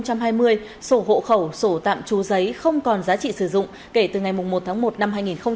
thưa quý vị theo luật cư trú hai nghìn hai mươi sổ hộ khẩu sổ tạm trú giấy không còn giá trị sử dụng kể từ ngày một tháng một năm hai nghìn hai mươi ba